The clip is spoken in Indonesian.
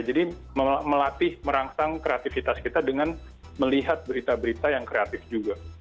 jadi melatih merangsang kreativitas kita dengan melihat berita berita yang kreatif juga